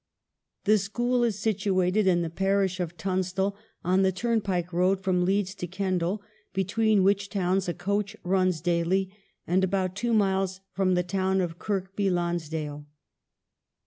" The school is situated in the parish of Tun stall, on the turnpike road from Leeds to Kendal, between which towns a coach runs daily, and about two miles from the town of Kirkby Lons dale.